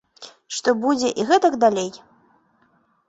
Што будзе і гэтак далей.